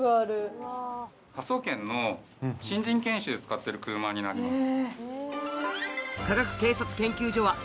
新人研修で使ってる車になります。